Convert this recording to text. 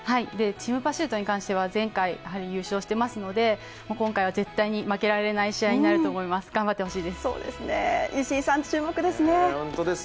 チームパシュートに関しては前回優勝していますので、今回は絶対に負けられない試合になると思います、頑張ってほしいです。